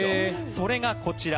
それがこちら。